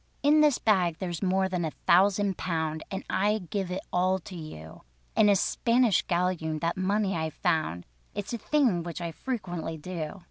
"In this bag there is more than a thousand pound, And I give it all to you: In a Spanish galloon that money I found, (It's a thing which I frequently do).